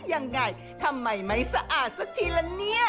ยังไงทำไมไม่สะอาดสักทีละเนี่ย